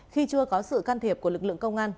khi chưa có sự can thiệp của lực lượng công an